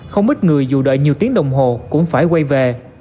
không ít người dù đợi nhiều tiếng đồng hồ cũng phải quay về